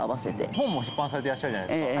本も出版されてらっしゃるじゃないですか。